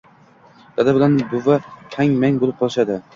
Doda bilan buvi hang mang bo’lib qolishadi..